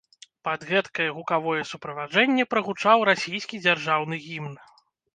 Пад гэткае гукавое суправаджэнне прагучаў расійскі дзяржаўны гімн.